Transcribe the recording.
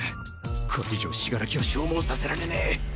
これ以上死柄木を消耗させられねえ。